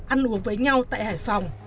ăn uống với nhau tại hải phòng